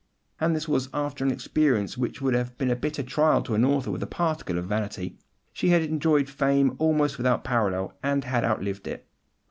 And this was after an experience which would have been a bitter trial to an author with a particle of vanity. She had enjoyed a fame almost without parallel, and had outlived it.